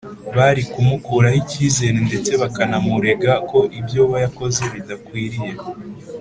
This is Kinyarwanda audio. bari kumukuraho icyizere ndetse bakanamurega ko ibyo yakoze bidakwiriye